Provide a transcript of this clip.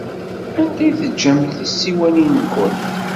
Anda ay teǧǧamt tisiwanin-nwent?